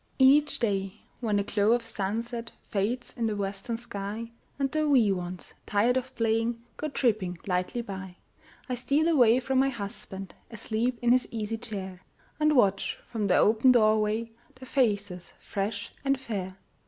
Each day, when the glow of sunset Fades in the western sky, And the wee ones, tired of playing, Go tripping lightly by, I steal away from my husband, Asleep in his easy chair, And watch from the open door way Their faces fresh and fair.